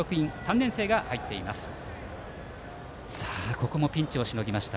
ここもピンチをしのぎました。